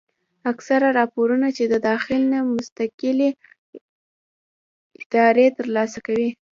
اکثره راپورنه چې د داخل نه مستقلې ادارې تر لاسه کوي